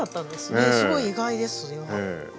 すごい意外です。